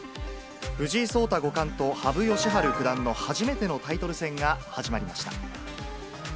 藤井聡太五冠と羽生善治九段の初めてのタイトル戦が始まりました。